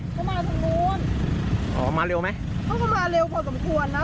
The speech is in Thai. เขามาทางนู้นอ๋อมาเร็วไหมเขาก็มาเร็วพอสมควรนะ